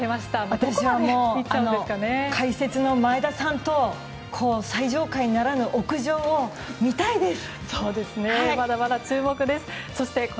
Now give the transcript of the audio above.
私は解説の前田さんと最上階ならぬ屋上を借りる返す